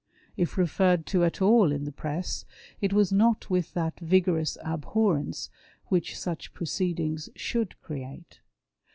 If referred to at all in the Press, it was not with that vigorous abhorrence which such proceedings should create.